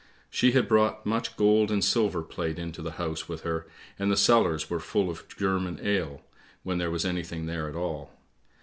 She had brought much gold and silver plate into the house with her, and the cellars were full of German ale, when there was anything there at all.